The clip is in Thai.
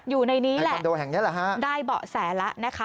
อยู่ในนี้แหละได้เบาะแสละนะคะ